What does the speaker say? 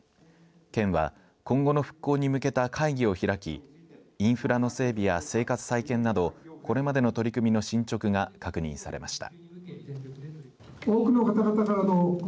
県は今後の復興に向けた会議を開きインフラの整備や生活再建などこれまでの取り組みの進捗が確認されました。